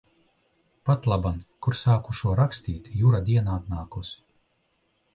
Patlaban, kur sāku šo rakstīt, Jura diena atnākusi.